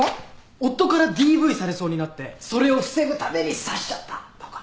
夫からＤＶされそうになってそれを防ぐために刺しちゃったとか。